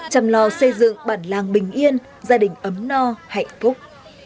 chăm lo xây dựng bản làng bình yên gia đình ấm no hạnh phúc